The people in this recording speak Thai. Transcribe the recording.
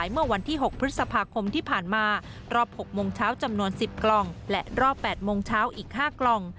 ๖โมงเช้าจำนวน๑๐กล่องและรอบ๘โมงเช้าอีก๕กล่อง